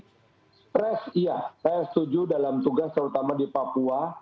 stres iya saya setuju dalam tugas terutama di papua